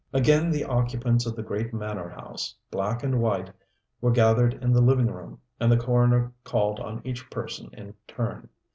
Again the occupants of the great manor house, black and white, were gathered in the living room, and the coroner called on each person in turn.